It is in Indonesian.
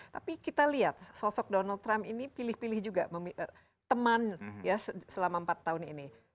tapi kita lihat sosok donald trump ini pilih pilih juga teman ya selama empat tahun ini